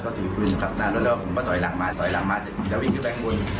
เขาถือฟื้นครับหน้ารถแล้วผมก็ต่อยหลังมาต่อยหลังมาเสร็จจะวิ่งขึ้นแปลงบน